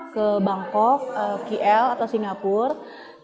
ke bangkok kl atau singapura